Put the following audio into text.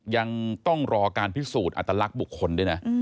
ยังต้องรอการพิสูจน์อัตลักษณ์บุคคลด้วยนะ